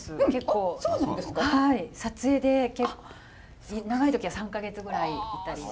撮影で結構長い時は３か月ぐらいいたりして。